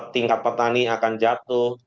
tingkat petani akan jatuh